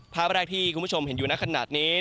ภาพแรกที่คุณผู้ชมเห็นอยู่ในขณะนี้